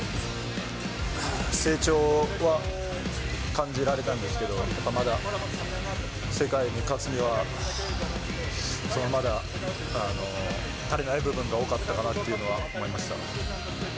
成長は感じられたんですけど、やっぱまだ、世界に勝つには、まだ足りない部分が多かったかなっていうのは思いました。